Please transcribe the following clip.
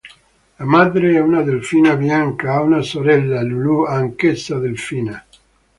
La madre è una delfina, Bianca, ha una sorella, Lulù, anch'essa delfina.